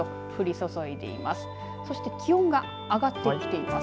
そして気温が上がってきています。